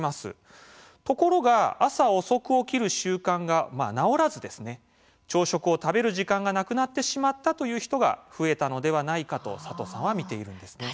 ところが朝遅く起きる習慣が直らず朝食を食べる時間がなくなってしまったという人が増えたのではないかと佐藤さんは見ているんですね。